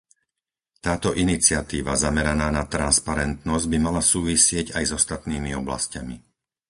Táto iniciatíva zameraná na transparentnosť by mala súvisieť aj s ostatnými oblasťami.